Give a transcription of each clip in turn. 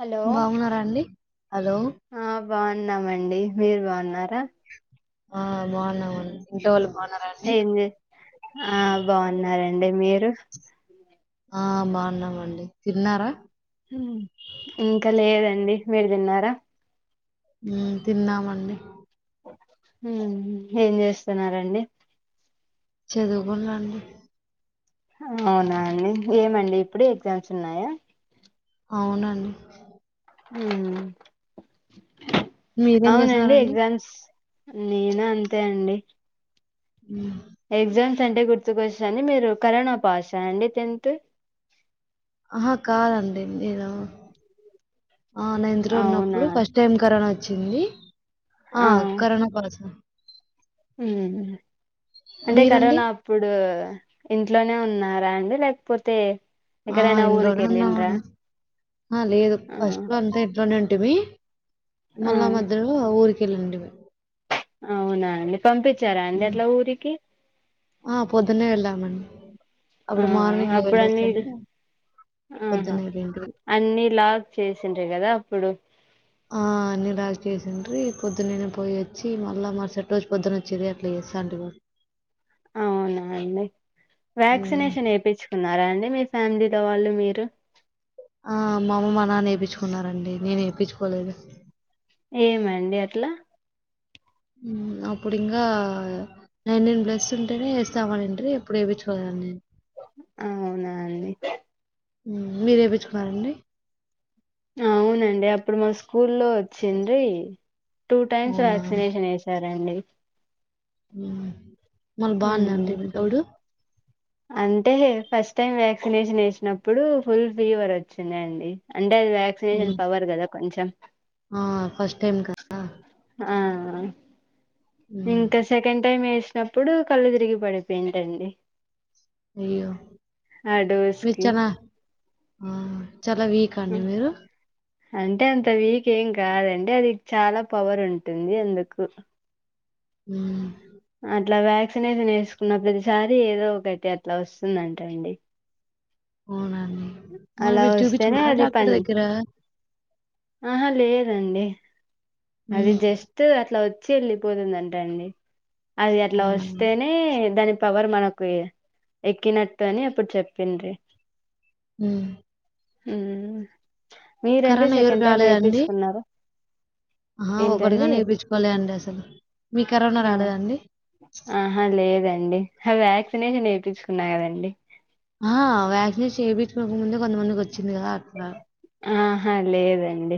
Hello బాగున్నారా అండి hello ఆ బాగున్నామండి మీరు బాగున్నారా ఆ బాగున్నావు ఇంట వాళ్ళ ఏంది ఆ బాగున్నారే అంటడి మీరు ఆ బాగున్నామండి తిన్నారా ఇంకా లేదండి మీరు తిన్నారా తిన్నామండి ఏం చేస్తున్నారండి చదువుకునలండి అవునా అండి ఏమండి ఇప్పుడే ఎగ్జామ్స్ ఉన్నాయా అవునండి హ మీరేం అవునండి చేస్తున్నారండి ఎగ్జామ్స్ నేను అంతే అండి ఉ ఎగ్జామ్స్ అంటే గుర్తుకొచ్చని మీరు కరోనా పాస్ అయండి టెన్త్ ఆహా కాదండి నేను ఆ నైంత్ లో అవునా ఉన్నప్పుడు ఫస్ట్ టైమ్ కరోనా వచ్చా వచ్చింది ఆ కనా కాస ఉ అంటే మీరండి కరోనా అప్పుడు ఇ ఇంట్లోనే ఉన్నారా అండి లేకపోతే ఆ ఎక్కడైనా ఊరికి ఇంట్లోనే వెళ్ళిండ్రా ఉన్నామడి లేదు ఆ ఫస్ట్ లో అంతా ఇంట్లోనే ఉంటిమి ఆ మల్ల మధ ఊరికి గలిండి అవునా పంపించారా అండి మ్మ్ అట్లా ఊరికి ఆ పొద్దున్నే వెళ్లా మన్ ఆ అప్పుడు అన్నిీ ఆహా పొద్దున్నే రెండు అన్నిీ లాక్ చేసిండ్రీ కదా అప్పుడు ఆ అన్నిీ లాక్ చేసిండ్రీ పొద్దునేనే పోయిొచ్చి మళ్ళా మర్సెట్ రోజు పొద్దున వచ్చేది అట్లా చేస్తాన్టి గద అవునా అండి ఉమ్ వ్యాక్సినేషన్ ఏపిచ్చుకున్నారా అండి మీ ఫ్యామిలీలో వాళ్ళు మీరు ఆ మా అమ్మ మా నాన్న ఏపిచ్చుకున్నారండి నేను ఏపిచ్చుకోలేదు ఏమండి అట్లా హ్మ్ అప్పుడింగా నైన్టీన్ ప్లస్ ఉంటేనే ఎస్ స్తాం ఆనిండ్రి అప్పుడు ఏపిచ్చుకోలేదండి అవునా అండి ఉమ్ మీరు ఏపిచ్చుకున్నారండి అవునండి అప్పుడు మా స్కూల్లో వచ్చిండ్రి టూ టైమ్స్ అవునా వ్యాక్సినేషన్ వేశారండి ఉమ్ మళ్ బాగుందాండి ఉమ్ మీక్ అప్పుడు అంటే ఫస్ట్ టైం వ్యాక్సినేషన్ ఏసినప్పుడు ఫుల్ ఫీవర్ వచ్చిందండి అన్ టే అది వ్యాక్సినేషన్ ఉమ్ పవర్ కదా కొంచం ఆ ఫస్ట్ టైమ్ కదా ఆ ఉమ్ ఇంక సెకండ్ టైం ఎస్ అ ప్పుడు కళ్ళు తిరిగి పడిపోయింటండి అయ్యో ఆ డోస్ మీరు కి చానా ఆ చాలా వీకా అండి మీరు అంటే అంత వీక్ ఏం కాదండి అది చాలా పవర్ ఉంటుంది అందుకు హ్మ్ అట్లా వ్యాక్సినేషన్ ఏసుకున్న ప్రతిసారి ఏదో ఒకటి అట్లా వస్సు న్దటండి అవునా మరి అలా మీరు వస్తేనే చూపించుకున్నారా అది డాక్టర్ పన్ దగ్గర? ఆహా లేదండి అది హ్మ్. జస్ట్ అట్లా వచ్ చ్చి ఏల్లిపోతుందంట అండి అది అట్లా అవునా! వస్తేనే దాని ప్ పవర్ మనకీ ఎక్కినట్టు అని అప్పుడు చెప్పిండ్రి ఉమ్ హ్మ్ మీరండి సెకండ్ టైం వేపిచ్చుకున్నారా అహా ఒకటి గాని ఏపిచ్చుకోలే అండి అసలు మీక్ కరోన ఆ రాలేదా అండి ఆహా లేదండి వ్యాక్సినేషన్ ఏపిచుకున్న కదండి ఆ వ్యాక్నేష్ చేబీచ్కోక ముందే కొంతమందికి వచ్చింది కదా అట్లా ఆహ లేదండి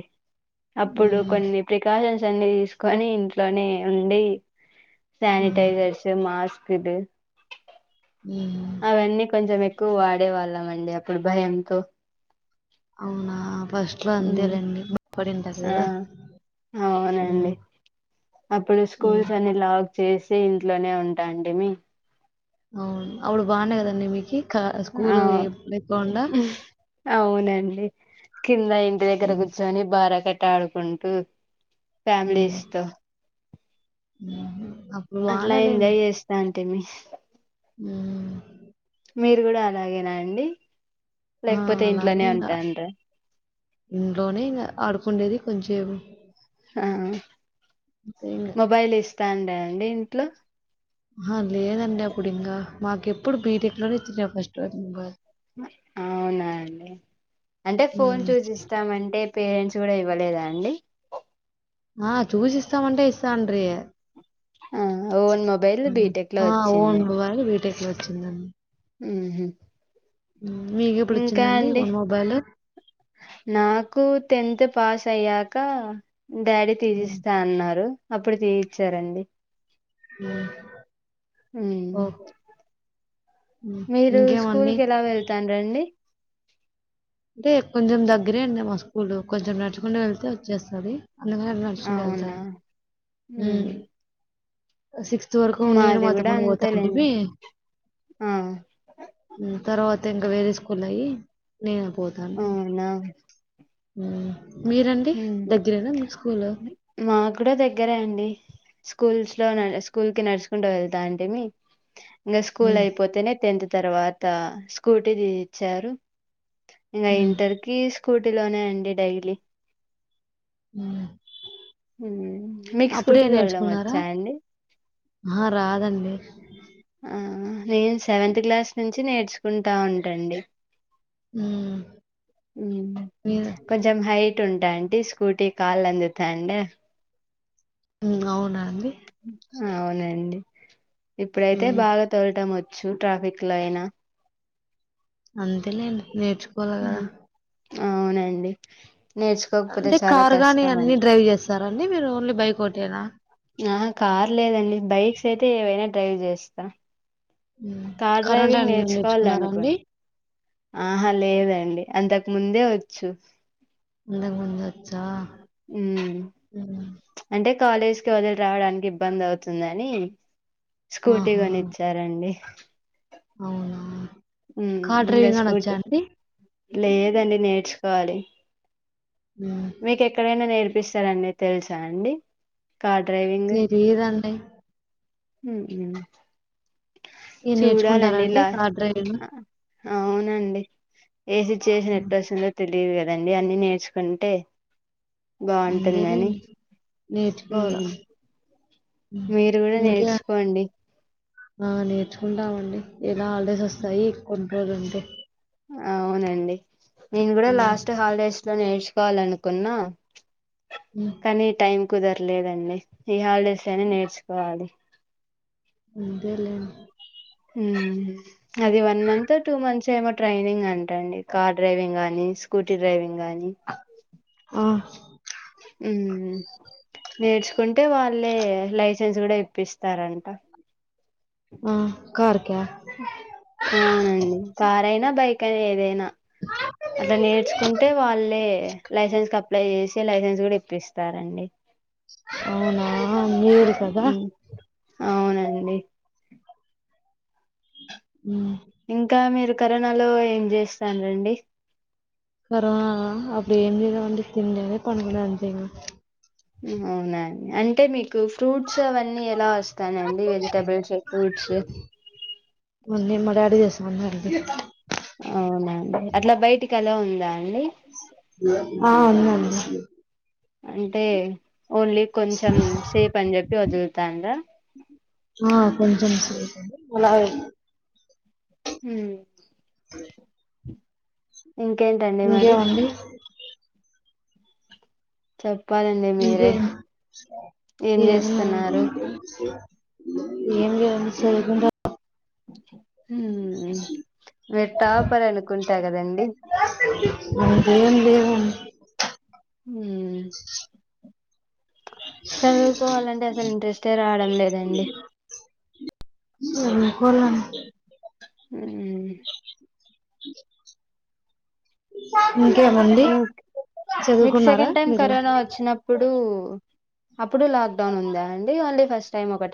అప్పుడు హ్మ్. కొన్ని ప్రికాషన్స్ ని తీస్కొని ఇంట్లోనే ఉండి హ్మ్. సానిటైజర్స్ మాస్క్ ఇద హ్మ్. అవన్నీ కొంచెం క్కువ వాడే వాళ్ళం అండి అప్పుడ్ భయంతో అవునా ఫస్ట్‌లో మ్ అంతేలెండి. భయపడింటారు కదా! ఆ హ్మ్. అవునండి అప్పుడు హ్మ్. స్కూల్స్ అన్ని లా చేసి ఇంట్లోనే ఉంటా అండి మీ అవును అపుడ్ బాగుండె కదండి మీకి ఆ స్కూలు ఏ లేకుకుండా అవునండి కింద ఇంటి దగ్గర హ్మ్. కూర్చొని బారా కట్ ఆడుకుంటూ హ్మ్. ఫ్యామిలీస్తొ అప్పుడు వాళలే మి మ్ మీరు గుడ అలాగేనా అండి ఆ! లేక్పోతె అలాగే ఇంట్లనే ఇంగ. ఉంటాంట ఇంట్లోనే ఇగ ఆడుకుండేది కొంచం హా మొబైల్ ఎస్త్ పండా అండి ఇంట్లో అహ లేదండి అప్పుడు ఇంకా మాకెప్పుడు బీటెక్ లోనే ఇచ్చిన ఫస్ట్ అవునా అండి అంటె ఫోన్ హ్మ్. చూసిస్తమంటే పేరెంట్స్ గుడ ఇవ్వలేదా అండి ఆ చూసిస్తామంటే ఇస్తాండ్రీ ఆ ఓన్ మొబైల్ బీటెక్ లో ఆ ఓన్ వచ్చింది వాళ్ బీటెక్ లో ఒచ్చిందండి మ్ హ్ ఊమ్ మీకు ఇప్పుడు వచ్చిందండి వన్ మొబైల్ నాకు టెన్త్ పాస్ అయ్యాకా డాడీ హ్మ్. తీసిస్తా అన్నారు అప్పుడు తీయిచ్చారండి ఉ హ్మ్. మీరూ స్కూల్ ఇంకేమండి? కి ఎలా వెళ్తాన్రండి అంటే కొంచెం దగ్గరే అండి మా స్కూలు కొంచెం నడుచకుండ వెళ్తే వచ్చేస్తది అందుకనే నడుచుకుంటూ అవునా వెళ్తాన్ మ్మ్ సిక్స్త్ వరకు నేను మాది మా కూడా తమ్ముడు పోతా అంతేలేండి అంటిమీ ఆ తర్వాత ఇంకా వేరేస్ కుల్లయి నేనే పోతా అంటి ఊ హుమ్ మా కూడా దగ్గరే అండి కూల్స్ లో న స్కూల్ కి నడుచుకుంటూ వెళ్తాంటిమి ఇంగ స్కూల్ ఉమ్ అయిపోతేనే టెన్త్ తర్వాతా స్కూటీ తీయిచ్చారు ఇంగ ఉమ్ ఇంటర్ కీస్ కూటీలోనే అండి డైలీ ఊ హూమ్ మీకు స్కూటీ తోలడం వచ్చా అండి అహ రాదండి ఆ నేను సెవెంత్ క్లాస్ నున్ చ్చి నేర్చుకుంటా ఉంటండి ఊ కొంచెం హైట్ టుంటా అండి స్కూటీ కాళ్ళు అందుతాయండి ఊమ్ అవునా అండి అవునండి ఇప్పుడైతే ఉమ్ బాగా తోలటం వ చ్చు ట్రాఫిక్ లో అయినా అంతే లేండి నేర్చుకోల గద హ్మ్ అవునండి నేర్చుకోకపోతే అంటే చాలా కార్ గాని కష్టం అన్ని అండి. డ్రైవ్ చేస్తారండి మీరు ఓన్లీ బైకో టేనా ఆ కార్ లేదండి బైక్స్ అయితే ఏవైనా డ్రైవ్ జేస్తా కరెంటై నేర్చుకున్నారా అండి నేర్చుకోవాలనుకోండి ఆహా లేదండి అంతకు ముందే వచ్చు ఇంతకు ముందు వచ్చా ఊ ఉమ్ అంటే కాలేజ్కి వదిలి రావడానికి ఇబ్బంది అవుతుందని స్కూటీ ఆహా కొనిచ్చారండీ అవునా ఉమ్ కార్ ఇంగ డ్రైవింగ్ అనచ్చా స్కూటీ అండి లేదండి నేర్చుకోవాలి. ఉమ్ మీకు ఎక్కడైనా నేర్ ఇస్తారని తెల్సా అండి. కార్ తెలీయదండి. ఉ ఉ ఈ నేర్చుకుంటారండి కార్ డ్రైవింగ్ అవునండి. ఏ సిచ్యువేషన్ హ్మ్. ఎట్ల వస్తుందో తె లేవు కదండి అన్ని నేర్చుకుంటే బాగుంటుందని అంతేలెండి హ్ నేర్చుకోవాల. మ్ హ్మ్. మీరు గూడ ఇంకే నేర్చుకోండి. ఆ నేర్చుకుంటామండి. ఎలా హాలిడేస్ వస్తాయి కొన్ని రోలుంటే అవునండి. నేను గూడా లాస్ట్ హాలిడేస్లో నేర్చ్ కాల్ అనుకున్నా హ్మ్. కని టైం కుదరలేదండి ఈ హాలిడేస్లో అయినా నేర్చుకోవాలి. అంతేలే ఊ అది వన్ మంత్ టూ మంత్స్ ఏమో ట్రైనింగ్ అంట అండి కార్ డ్రైవింగ్ గానీ స్కూటీ డ్రైవింగ్ గానీ ఆ! ఊ.. నేర్చుకుంటే వాళ్ళే లైస్ [inaudible] గూడా ఇప్పిస్తారంట ఆ కార్ క్యా కే ఏదైనా అట్ల నేర్చుకుంటే వాళ్ళే లైసెన్స్ కప్ అప్లై చేసే లైసెన్స్ గుడా ఇప్పిస్తారండి. అవునా మీరు కదా మ్మ్ అవునండి ఉ ఇంకా మీరు కరోనాలో ఏం చేస్తాను లేండి కరోనా అప్పుడు ఏం తిన్నా మండి తిండి లేదు పని లేదు అంతేనా ఉ అవును అండి అంటే మీకు ఫ్రూట్ షా అవన్నీ ఎలా వస్తానాయ్ అండి వెజిటబుల్స్ ఫ్రూట్స్ మళ్ళీ మా డాడీ ఏసుమన్నా అగి అవునండి అట్లా బయటికి అల్లో ఉందా అండి ఆ! ఉందండి. అంటే ఓన్లీ కొంచెం సేఫ్ అని చెప్పి వదులుతాను రా ఆ కొంచెం సేపు ఓలాయ్ హ్మ్ ఐ ఇంకేంటండి మరి ఇంకేమండి? చెప్పు ఇగేం ఏం ఉన్నది ఏం లేదు అండి చదువుకుంట క టాపర్ అనుకుంటా కదండి అంత ఏం లేవు హ్మ్ చదువుకోవాలంటే అసలు ఇంట్రెస్టే రావడం లేదండి య అనుకోలేమ్ [inaudible] హ్మ్ [inaudible] అ [unintelligible] ఇషన్ ఇగ మీకు చదువుకున్నారా సెకండ్ టైం మీరు కరోనా వచ్చినప్పుడు అప్పుడు లాక్ డౌన్ ఉందా అండి ఓన్లీ ఫస్ట్ టైం ఒకటి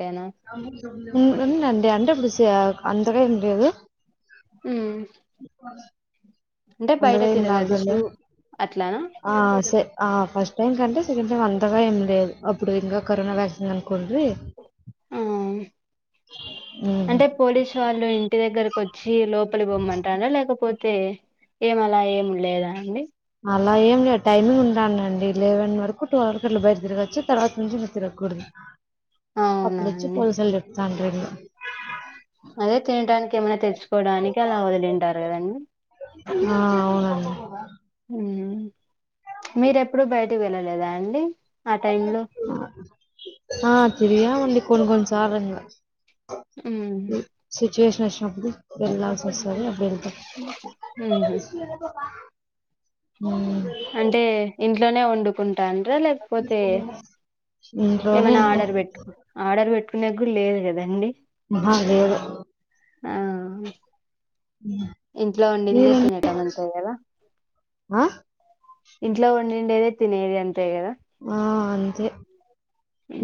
ఉం ఉంది అండి అంటే బుస్ త్యాక్ అంతా గా ఏం లేదు హ్మ్ అంటే బయట అందుగా ఏం గదుండే తిరగచ్చు అట్లానా ఆ సే ఫస్ట్ టైం కంటే, అంతగా ఏం లేదు అప్పుడు ఇంకా కరోనా వ్యాక్సిన్ అనుకోండ్రి. ఉ ఉమ్ అంటే పోలీసు వాళ్ళు ఇంటి దగ్గరకు వచ్చి లోపలి పోమ్మంటారా లేకపోతే, అయితే ఏమలా ఏమి లేదండి. అలా ఏం లే టైమింగ్. అవునండి లేవన్ వరకు టూ వరకూ అట్ల బయట తిరగోచ్చు తర్వాత నుండి ఇక తిరగకూడదు. అవునా అప్పుడు వచ్చి అండి పోలీసోల్లు చెప్తా స [inaudible] అదే తింటానికి. ఏమనా తెచ్చుకోవడానికి అలా వదిలింటారు కదండి. ఆ అవునండి మీరు ఎప్పుడు బయటికి వెళ్ళలేదా అండి. ఆ టైమ్ లో ఆ తిరిగాం అండి. కొన్ని కొన్ని సార్ంగా మ్మ్ సిచువే ఫ్రెష్ అబ్ది వెల్లసి సరెలే వెళ్తా మ్మ్ అంటే ఇం ఇంట్లనే వండుకు ఉంటండా లేకపోతే ఇంట్లోనే ఏమైనా అండి ఆర్డర్ పెట్టుకు ఆర్డర్ పెట్టుకునే లేదుగా అండి. ఆహా లేదు. ఆ ఇంట్లో వండిందే మీరండి తినటం అంతే కదా. ఆ ఇంట్లో వండిండేదే తినేది అంతే కదా. ఆ అంతే.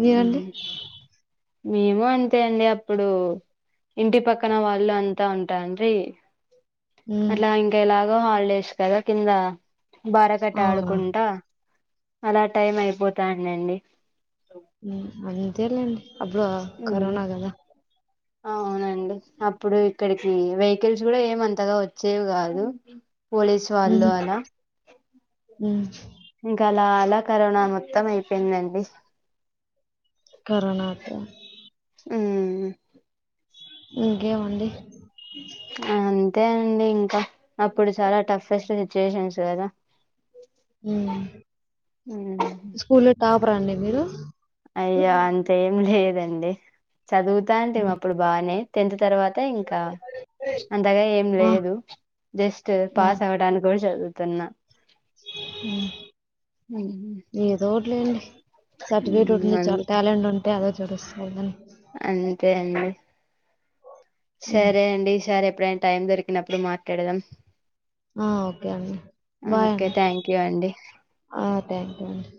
మీరండి. మేము అంతే అండి అప్పుడు ఇంటి పక్కన వాళ్ళు అంతా ఉంటాండీ. ఉమ్ అట్ల ఇంక ఎలాగు హాలిడేస్ కద కింద. బారకట్ట ఆ ఆడుకుంట. అలా టైం అయిపోతాందండి. అంతేలేండి. అపుడో ఉమ్ కరోనా కదా. అవునండి అప్పుడు ఇక్కడికి వెకిల్స్ కూడా ఏమంతగా వచ్చేవి కాదు పోలీసు వాళ్ళు ఉహు అలా ఉమ్ ఇంకా అలా అలా కరోనా మొత్తం అయిపోయిందండి కరోనాక మ్మ్ ఇంకేమండి అ అంతే అండి ఇంకా అప్పుడు చాలా టఫెస్ట్ సిచ్యువేషన్స్ కదా ఉమ్ స్కూలా టాప్ టాపర్అండి మీరు అయ్యా అంతే లేదండి చదువుతా అంటేమి అప్పుడు బానే టెన్త్ తర్వాత అంతే ఇంకా అంతగా ఏం ఆ లేదు జస్ట్ పాస్ అవడానికి కూడా చదువు తిన్న మ్మ్ మ్మ్ ఏదో ఒకటి లేండి సర్టిఫికెట్ ఉంటే అం చాలు టాలెంట్ ఉంటే అదే చూపిస్తది అండి అంతే అండి ఉమ్, సరే అండి సరే ఎప్పుడైనా టైం దొరికిన అప్పుడు మాట్లాడదం ఆ ఓకే అండి బాయ్ అండి థ్యాంక్ యూ అండి ఆ థ్యాంక్ యూ అండి